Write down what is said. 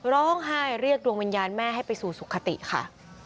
ร้องไห้เรียกดวงวิญญาณแม่ให้ไปสู่สุขติค่ะ